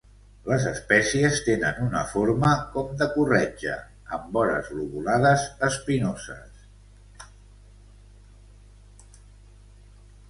Les espècies tenen una forma com de corretja, amb vores lobulades espinoses.